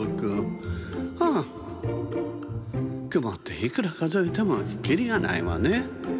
くもっていくらかぞえてもきりがないわね。